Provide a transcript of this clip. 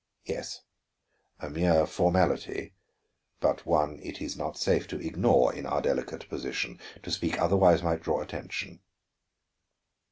"Yes; a mere formality, but one it is not safe to ignore in our delicate position. To speak otherwise might draw attention."